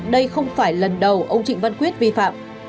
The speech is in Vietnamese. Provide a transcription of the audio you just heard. đây không phải lần đầu ông trịnh văn quyết vi phạm